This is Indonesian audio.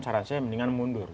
saran saya mendingan mundur